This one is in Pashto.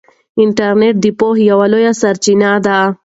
انټرنیټ د پوهې یوه لویه سرچینه ده.